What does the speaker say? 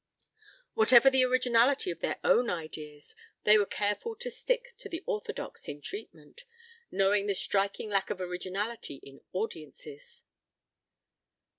Whatever the originality of their own ideas they were careful to stick to the orthodox in treatment, knowing the striking lack of originality in audiences.